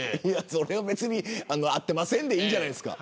それは会ってませんでいいんじゃないですか。